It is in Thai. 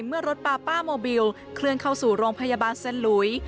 เมื่อรถปาป้าโมบิลเคลื่อนเข้าสู่โรงพยาบาลสลุย